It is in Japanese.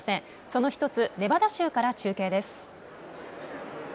その１つ、ネバダ州から中継です。